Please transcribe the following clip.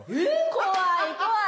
怖い怖い。